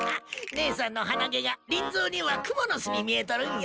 ねえさんの鼻毛がリンゾーにはくもの巣に見えとるんよ。